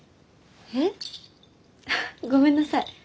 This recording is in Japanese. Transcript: えっ？あごめんなさい。